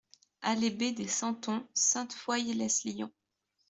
Allée B des Santons, Sainte-Foy-lès-Lyon